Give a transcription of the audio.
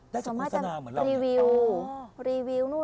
ได้จากคุณสนามเหมือนเรา